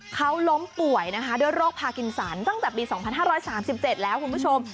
เขาล้มป่วยนะคะด้วยโรคพากินสันตั้งแต่ปี๒๕๓๗แล้วคุณผู้ชม